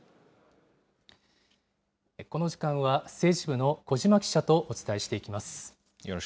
この時間は政治部の小嶋記者とお伝えしていきます。